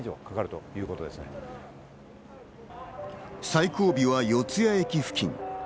最後尾は四ツ谷駅付近。